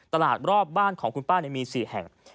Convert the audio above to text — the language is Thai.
รอบบ้านของคุณป้ามี๔แห่ง